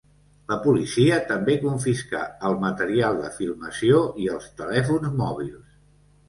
La policia també confiscà el material de filmació i els telèfons mòbils.